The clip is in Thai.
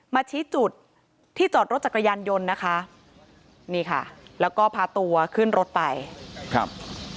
ชี้จุดที่จอดรถจักรยานยนต์นะคะนี่ค่ะแล้วก็พาตัวขึ้นรถไปครับ